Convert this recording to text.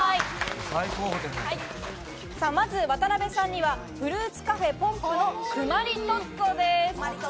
まず渡邊さんにはフルーツカフェｐｏｍｐのくまりとっつぉです。